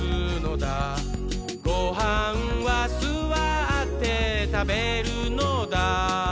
「ごはんはすわってたべるのだ」